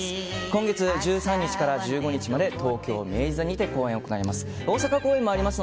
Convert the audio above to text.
今月１３日から１５日まで東京、明治座にて公演があります。